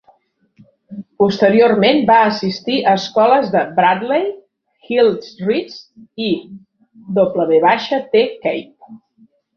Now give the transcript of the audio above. Posteriorment va assistir a escoles de Bradley Gilchrist i W. T. Cape.